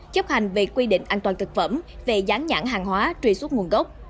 chấp hành về quy định an toàn thực phẩm về gián nhãn hàng hóa truy xuất nguồn gốc